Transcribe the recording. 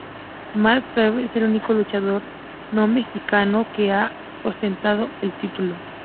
Matt Taven es el único luchador no mexicano que ha ostentado el título.